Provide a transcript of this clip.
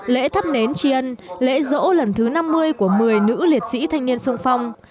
lễ thắp nến tri ân lễ rỗ lần thứ năm mươi của một mươi nữ liệt sĩ thanh niên sung phong